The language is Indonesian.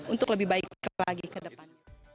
untuk lebih baik lagi ke depannya